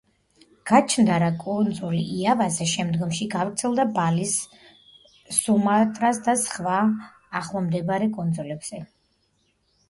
გაჩნდა რა კუნძულ იავაზე, შემდგომში გავრცელდა ბალის, სუმატრას და სხვა ახლომდებარე კუნძულებზე.